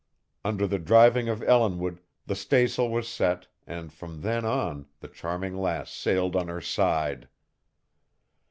Under the driving of Ellinwood the staysail was set, and from then on the Charming Lass sailed on her side.